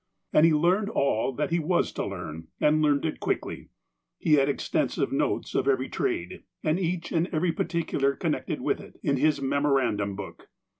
And he learned all that he was to learn, and learned it quickly. He had extensive notes of every trade, and each and every particular connected with it, in his mem orandum book.